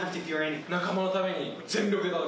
仲間のために全力で戦おう。